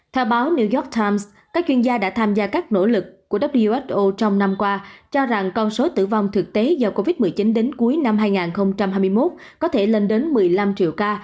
theo báo new york times các chuyên gia đã tham gia các nỗ lực của who trong năm qua cho rằng con số tử vong thực tế do covid một mươi chín đến cuối năm hai nghìn hai mươi một có thể lên đến một mươi năm triệu ca